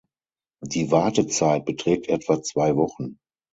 Die Wartezeit beträgt etwa zwei Wochen.